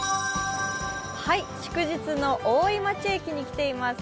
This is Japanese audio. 祝日の大井町駅に来ています。